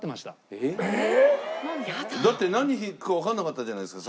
えっ？だって何引くかわかんなかったじゃないですか